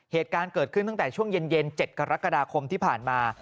เหตุการณ์เกิดขึ้นตั้งแต่ช่วงเย็น๗กรกฎาคมที่ผ่านมา